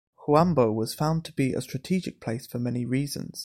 Huambo was found to be a strategic place for many reasons.